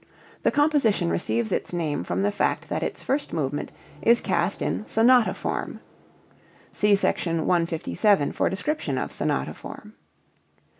The composition receives its name from the fact that its first movement is cast in sonata form. (See Sec. 157 for description of sonata form.)